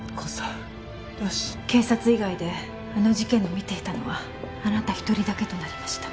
警察以外であの事件を見ていたのはあなた一人だけとなりました。